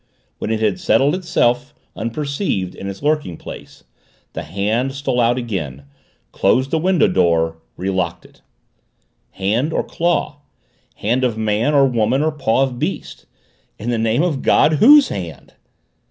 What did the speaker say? When it had settled itself, unperceived, in its lurking place the Hand stole out again closed the window door, relocked it. Hand or claw? Hand of man or woman or paw of beast? In the name of God WHOSE HAND?